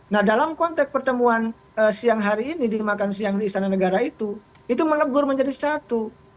nah dalam konteks pertemuan siang hari ini di makan siang di istana negara itu itu melebur menjadi satu